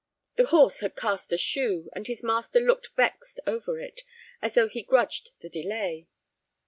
The horse had cast a shoe, and his master looked vexed over it, as though he grudged the delay.